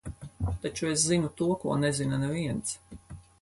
Taču es zinu to, ko nezina neviens.